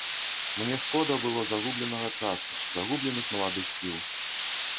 Мне шкода было загубленага часу, загубленых маладых сіл.